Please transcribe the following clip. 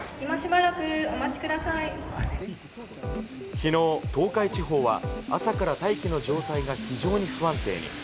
きのう東海地方は朝から大気の状態が非常に不安定に。